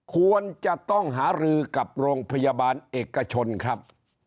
ควรจะต้องหารือกับโรงพยาบาลเอกชนครับ